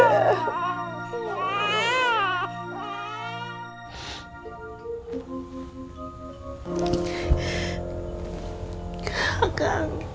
aku ingin berjumpa kamu